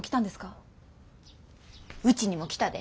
ウチにも来たで。